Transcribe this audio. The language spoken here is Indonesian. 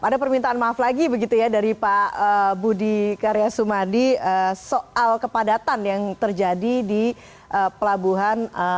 ada permintaan maaf lagi begitu ya dari pak budi karya sumadi soal kepadatan yang terjadi di pelabuhan